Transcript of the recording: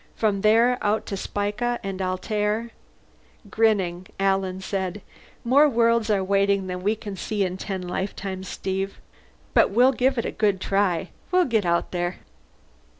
"From there out to Spica, and Altair " Grinning, Alan said, "More worlds are waiting than we can see in ten lifetimes, Steve. But we'll give it a good try. We'll get out there."